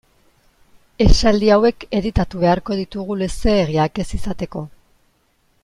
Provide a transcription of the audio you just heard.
Esaldi hauek editatu beharko ditugu luzeegiak ez izateko.